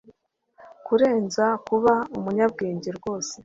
Kurenza kuba umunyabwenge rwose